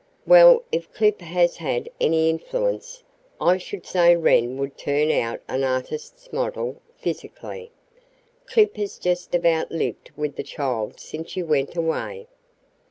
"Well, if Clip has had any influence, I should say Wren would turn out an artist's model, physically. Clip has just about lived with the child since you went away.